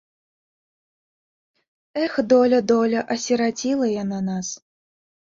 Эх, доля, доля, асіраціла яна нас.